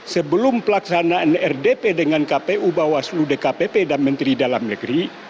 sebelum pelaksanaan rdp dengan kpu bawaslu dkpp dan menteri dalam negeri